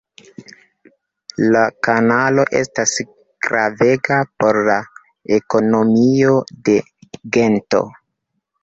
La kanalo estas gravega por la ekonomio de Gento.